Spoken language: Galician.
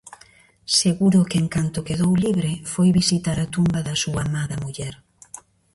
Seguro que en canto quedou libre foi visitar a tumba da súa amada muller.